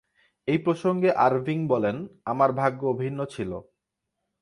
এই প্রসঙ্গে আরভিং বলেন, "আমার ভাগ্য ভিন্ন ছিল।"